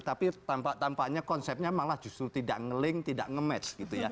tapi tampaknya konsepnya malah justru tidak nge link tidak nge match gitu ya